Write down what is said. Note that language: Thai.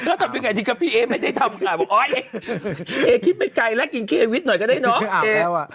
ก็ไปขอถ่ายรูปไม่ได้รู้จักกับร้ายการส่วนตัว